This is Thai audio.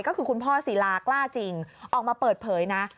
ก็คือคุณพ่อศิลากล้าจริงออกมาเปิดเผยนะ